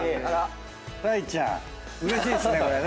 ちゃんうれしいっすねこれ。